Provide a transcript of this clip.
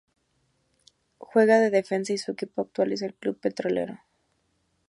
Juega de defensa y su equipo actual es el Club Petrolero.